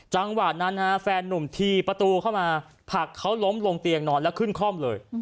จังหวะนั้นแฟนนุ่มทีประตูเข้ามาผลักเขาล้มลงเตียงนอนแล้วขึ้นคล่อมเลย